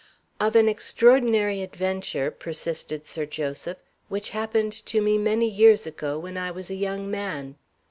"Of an extraordinary adventure," persisted Sir Joseph, "which happened to me many years ago, when I was a young man.